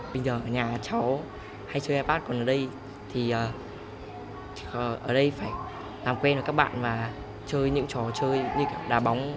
bây giờ ở nhà cháu hay chơi ipad còn ở đây thì ở đây phải làm quen với các bạn và chơi những trò chơi như cả đá bóng